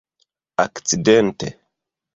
akcidente